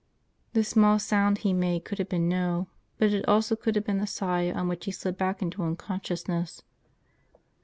The small sound he made could have been "no," but it also could have been the sigh on which he slid back into unconsciousness.